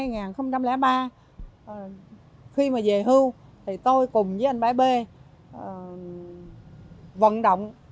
năm hai nghìn ba khi mà về hưu tôi cùng với anh bái b vận động